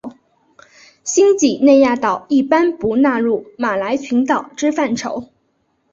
新几内亚岛一般不纳入马来群岛之范畴。